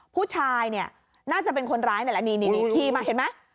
ผู้ชายเนี่ยน่าจะเป็นคนร้ายนั่นแหละนี่ขี่มาเห็นไหม